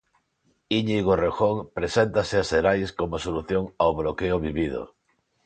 Íñigo Errejón preséntase ás xerais como solución ao bloqueo vivido.